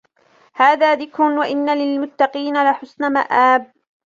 هَذَا ذِكْرٌ وَإِنَّ لِلْمُتَّقِينَ لَحُسْنَ مَآبٍ